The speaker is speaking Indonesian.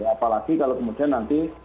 apalagi kalau kemudian nanti